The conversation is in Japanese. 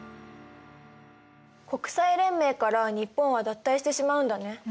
国際連盟から日本は脱退してしまうんだね。